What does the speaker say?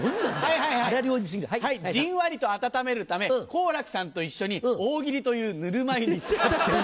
じんわりと温めるため好楽さんと一緒に大喜利というぬるま湯につかっている。